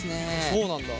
そうなんだ！